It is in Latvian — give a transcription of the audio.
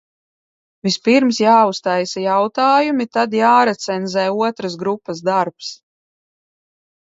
Vispirms jāuztaisa jautājumi, tad jārecenzē otras grupas darbs.